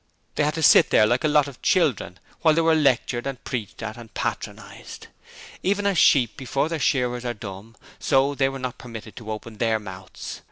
They had to sit there like a lot of children while they were lectured and preached at and patronized. Even as sheep before their shearers are dumb, so they were not permitted to open their mouths.